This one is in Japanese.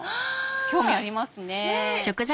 興味ありますね。ねぇ。